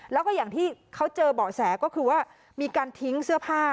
แล้วก็อย่างที่เขาเจอเบาะแสก็คือว่ามีการทิ้งเสื้อผ้า